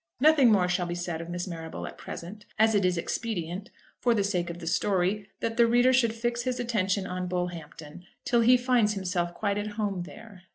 Nothing more shall be said of Miss Marrable at present, as it is expedient, for the sake of the story, that the reader should fix his attention on Bullhampton till he find himself quite at home there.